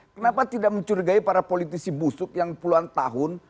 kenapa tidak mencurigai para politisi busuk yang puluhan tahun